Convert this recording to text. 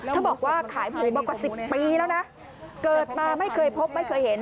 บอกว่าขายหมูมากว่า๑๐ปีแล้วนะเกิดมาไม่เคยพบไม่เคยเห็น